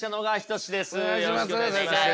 よろしくお願いします。